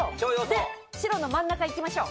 で、白の真ん中いきましょう。